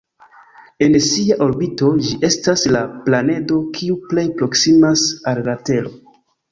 En sia orbito, ĝi estas la planedo kiu plej proksimas al la Tero.